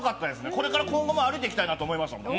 これから今後も歩いていきたいなと思いましたもん。